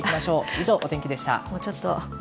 以上、お天気でした。